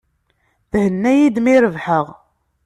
Thenna-iyi-d mi rebḥeɣ.